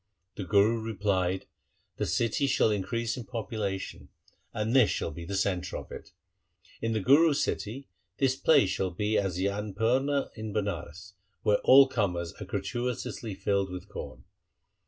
The Guru replied, ' The city shall increase in population, and this shall be the centre of it. In the Guru's city this place shall be as the Anpurna 1 in Banaras, where all comers are gratuitously filled with corn.'